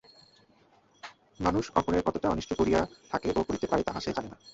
মানুষ অপরের কতটা অনিষ্ট করিয়া থাকে ও করিতে পারে, তাহা সে জানে না।